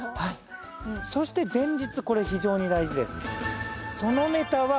そして前日これ非常に大事です。